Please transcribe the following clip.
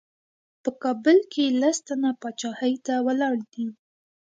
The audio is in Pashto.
په کابل کې لس تنه پاچاهۍ ته ولاړ دي.